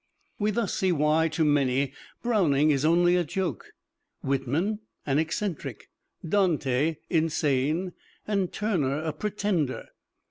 We thus see why to many Browning is only a joke, Whitman an eccentric, Dante insane and Turner a pretender.